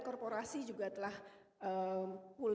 korporasi juga telah full